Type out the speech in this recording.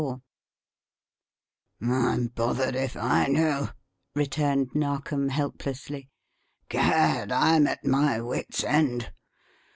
CHAPTER XXIV "I'm bothered if I know," returned Narkom helplessly. "Gad! I'm at my wits' end.